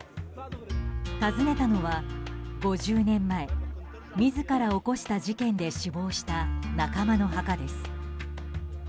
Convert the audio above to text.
訪ねたのは５０年前自ら起こした事件で死亡した仲間の墓です。